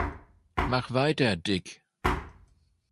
Mach’ weiter, Dick!